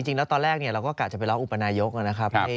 จริงแล้วตอนแรกเราก็กะจะไปร้องอุปนายกนะครับ